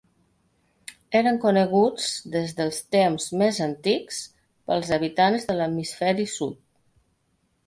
Eren coneguts des dels temps més antics pels habitants de l'hemisferi sud.